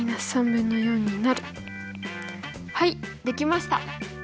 はいできました。